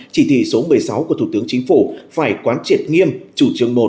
chỉ thị số một mươi sáu của thủ tướng chính phủ phải quán triệt nghiêm chủ trương một